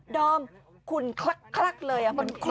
ดำขุนคลักเลย